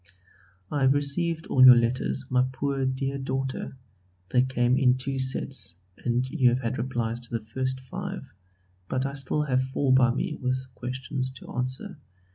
I have received all your letters, my poor dear daughter; they came in two sets and you have had replies to the first five, but I still have four by me with questions to answer.